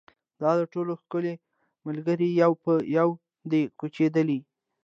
د ده ټول ښکلي ملګري یو په یو دي کوچېدلي